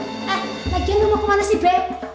eh lagi lo mau kemana sih bek